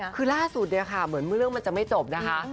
คือล่าสุดเหมือนเรื่องมันจะไม่จบนะคะ